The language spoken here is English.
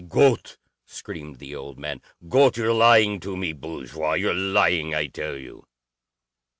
"Gott!" screamed the old man. "Gott, you're lying to me, bourgeois! You're lying, I tell you!"